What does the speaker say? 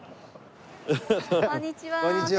こんにちは。